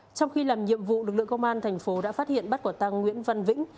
trong khi làm nhiệm vụ lực lượng công an tp lạng sơn đã phát hiện bắt của tăng nguyễn văn vĩnh